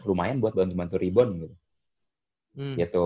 lumayan buat bantu bantu ribbon gitu